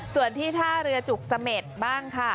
ส่วนที่ท่าเรือจุกเสม็ดบ้างค่ะ